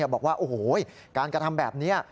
บอกว่าโอ้โหการกระทำแบบนี้